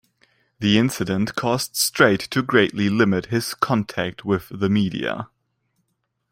The incident caused Strait to greatly limit his contact with the media.